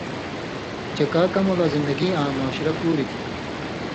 چے کاں کمؤں لا زندگی آں مُعاشرہ کُوریۡ تھی